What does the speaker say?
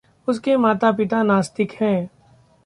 उसके माता-पिता नास्तिक हैं।